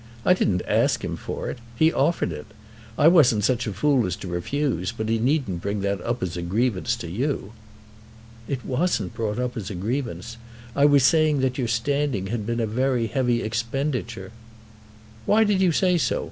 I didn't ask him for it. He offered it. I wasn't such a fool as to refuse, but he needn't bring that up as a grievance to you." "It wasn't brought up as a grievance. I was saying that your standing had been a heavy expenditure " "Why did you say so?